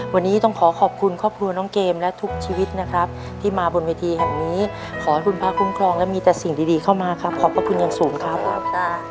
วันนี้ต้องขอขอบคุณครอบครัวน้องเกมและทุกชีวิตนะครับที่มาบนเวทีแห่งนี้ขอให้คุณพระคุ้มครองและมีแต่สิ่งดีเข้ามาครับขอบพระคุณอย่างสูงครับ